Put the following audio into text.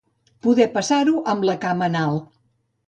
Poder passar-ho amb la cama en alt.